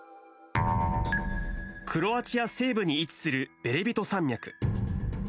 クロアチア西部に位置するベレビト山脈。